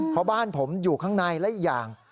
เพราะบ้านผมอยู่ข้างในและอีกอย่าง